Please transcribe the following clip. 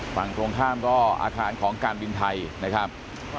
ฝั่งตรงข้ามก็อาคารของการบินไทยนะครับ